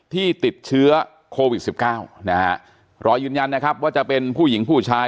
ที่ติดเชื้อโควิดสิบเก้านะฮะรอยืนยันนะครับว่าจะเป็นผู้หญิงผู้ชาย